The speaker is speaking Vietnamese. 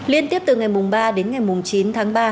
liên tiếp từ ngày ba đến ngày chín tháng ba